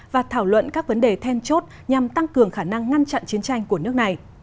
và thảo luận các vấn đề then chốt nhằm tăng cường khả năng ngăn chặn chiến tranh của nước này